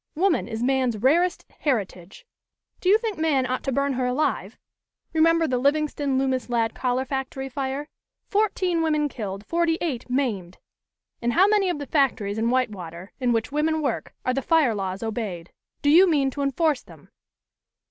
"'WOMAN IS MAN'S RAREST HERITAGE.' Do you think man ought to burn her alive? Remember the Livingston Loomis Ladd collar factory fire fourteen women killed, forty eight maimed. In how many of the factories in Whitewater, in which women work, are the fire laws obeyed? Do you mean to enforce them?"